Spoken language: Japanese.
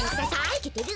いけてる。